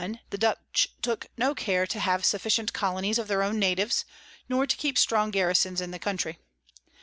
The Dutch took no care to have sufficient Colonies of their own Natives, nor to keep strong Garisons in the Country.